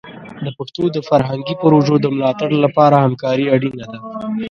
د پښتو د فرهنګي پروژو د ملاتړ لپاره همکاري اړینه ده.